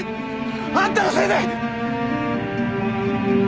あんたのせいで！